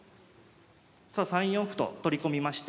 さあ３四歩と取り込みまして。